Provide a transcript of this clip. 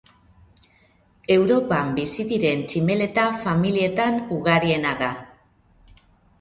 Europan bizi diren tximeleta-familietan ugariena da.